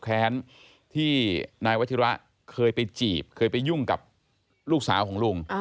แค้นที่นายวัชิระเคยไปจีบเคยไปยุ่งกับลูกสาวของลุง